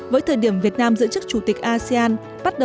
với thời điểm việt nam giữ chức chủ tịch